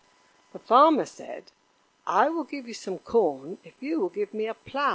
The Farmer said: "I will give you some corn if you will give me a plow."